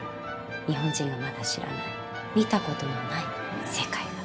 日本人がまだ知らない見たことのない世界。